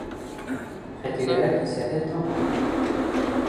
Хәтирәләр кисәһе тамам.